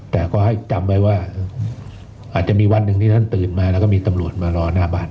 แต่ก็ให้จำไว้ว่าอาจจะมีวันหนึ่งที่ท่านตื่นมาแล้วก็มีตำรวจมารอหน้าบ้าน